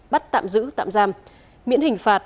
bắt tạm giữ tạm giam miễn hình phạt